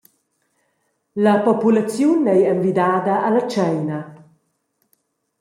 La populaziun ei envidada alla tscheina.